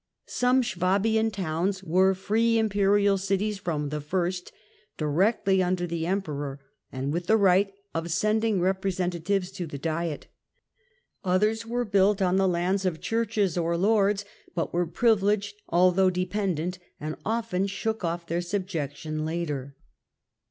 Some Swabian towns were free Im towus perial cities from the first, directly under the Emperor, and with the right of sending representatives to the Diet ; others were built on the lands of churches or 100 THE END OF THE MIDDLE AGE lords, but were privileged, although dependent, and often shook off their subjection later.